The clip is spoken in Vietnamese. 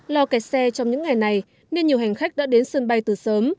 lo kẹt xe trong những ngày này nên nhiều hành khách đã đến sân bay từ sớm